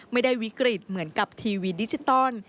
ไม่ได้วิกฤตเหมือนกับทีวีดิจิตอล